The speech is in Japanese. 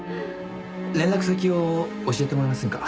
連絡先を教えてもらえませんか？